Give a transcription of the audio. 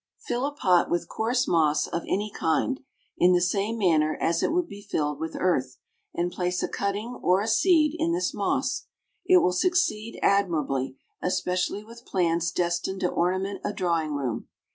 = Fill a pot with coarse moss of any kind, in the same manner as it would be filled with earth, and place a cutting or a seed in this moss: it will succeed admirably, especially with plants destined to ornament a drawing room.